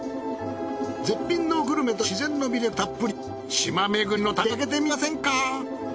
絶品のグルメと自然の魅力たっぷり島めぐりの旅に出かけてみませんか？